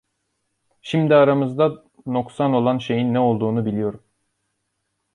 Şimdi aramızda noksan olan şeyin ne olduğunu biliyorum!